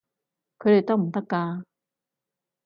佢哋得唔得㗎？